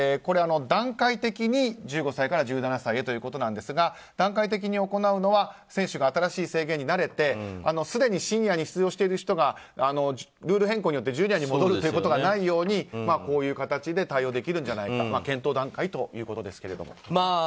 段階的に１５歳から１７歳へということですが段階的に行うのは選手が新しい制限に慣れてすでにシニアに出場している人がルール変更によってジュニアに戻るということがないようにこういう形で対応できるんじゃないか検討段階ということですけども。